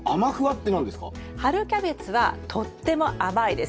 でも春キャベツはとっても甘いです。